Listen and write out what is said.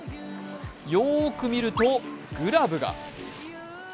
よく見ると、グラブが。